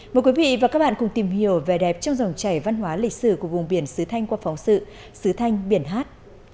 mời quý vị và các bạn cùng tìm hiểu vẻ đẹp trong dòng chảy văn hóa lịch sử của vùng biển sứ thanh qua phóng sự sứ thanh biển hát